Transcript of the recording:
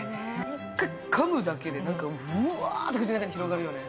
１回噛むだけでうわっと口の中に広がるよね